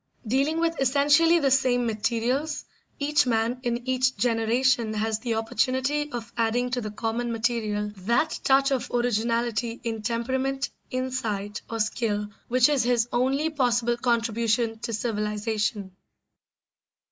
Dealing with essentially the same materials, each man in each generation has the opportunity of adding to the common material that touch of originality in temperament, insight, or skill which is his only possible contribution to civilisation.